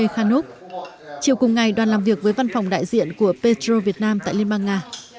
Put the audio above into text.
chiều cùng ngày đoàn làm việc với văn phòng đại diện của petro việt nam tại liên bang nga